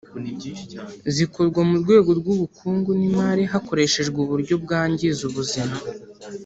zikorwa mu rwego rw’ubukungu n’imari hakoreshejwe uburyo bwangiza ubuzima